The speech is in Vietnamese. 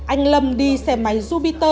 anh lâm đi xe máy jupiter